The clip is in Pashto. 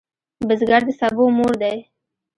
بزګر د سبو مور دی